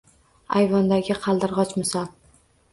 Аyvondagi qaldirgʼoch misol